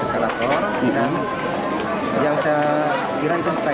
eskalator yang ke bawah